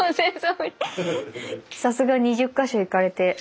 さすが２０か所行かれて。